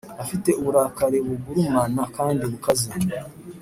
afite uburakari bugurumana kandi bukaze,